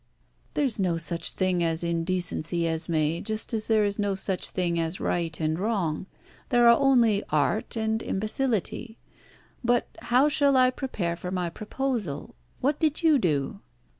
"There is no such thing as indecency, Esmé, just as there are no such things as right and wrong. There are only art and imbecility. But how shall I prepare for my proposal? What did you do?"